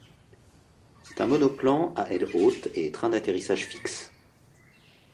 C'est un monoplan à ailes hautes et train d'atterrissage fixe.